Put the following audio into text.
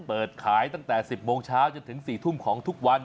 เปิดขายตั้งแต่๑๐โมงเช้าจนถึง๔ทุ่มของทุกวัน